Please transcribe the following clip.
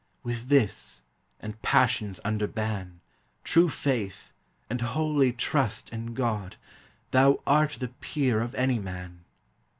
With this, and passions under ban, True faith, and holy trust in God, Thou art the peer of any man.